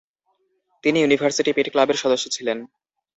তিনি university Pitt ক্লাবের সদস্য ছিলেন।